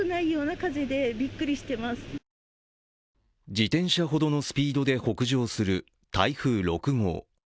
自転車ほどのスピードで北上する台風６号。